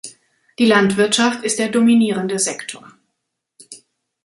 Die Landwirtschaft ist der dominierende Sektor.